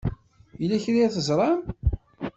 Yella kra i teẓṛam?